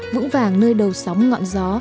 vững vàng nơi đầu sóng ngọn gió